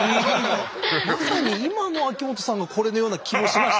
まさに今の秋元さんがこれのような気もしましたが。